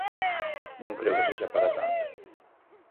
Non creo que sexa para tanto.